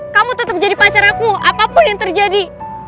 kamu tetap jadi pacar aku apapun yang terjadi